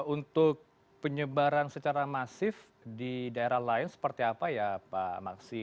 untuk penyebaran secara masif di daerah lain seperti apa ya pak maksi